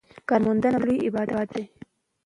کارموندنه لوی عبادت دی.